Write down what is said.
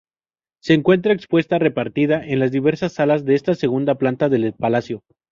Se encuentra expuesta repartida en las diversas salas de esta segunda planta del palacio.